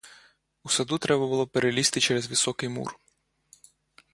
У саду треба було перелізти через високий мур.